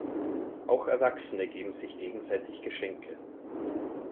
Auch Erwachsene geben sich gegenseitig Geschenke.